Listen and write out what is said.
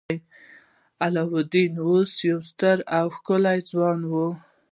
علاوالدین اوس یو ستر او ښکلی ځوان و.